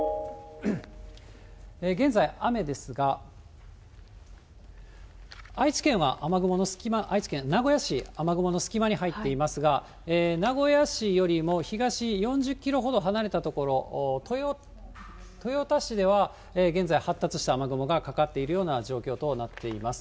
現在、雨ですが、愛知県は雨雲の隙間、愛知県名古屋市、雨雲の隙間に入っていますが、名古屋市よりも東４０キロほど離れた所、豊田市では、現在、発達した雨雲がかかっているような状況となっています。